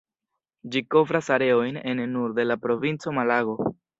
Ĝi kovras areojn ene nur de la provinco Malago.